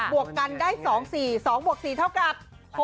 วกกันได้๒๔๒บวก๔เท่ากับ